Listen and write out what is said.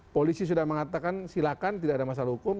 polisi sudah mengatakan silakan tidak ada masalah hukum